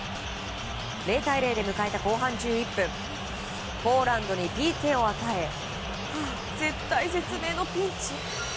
０対０で迎えた後半１１分ポーランドにＰＫを与え絶体絶命のピンチ。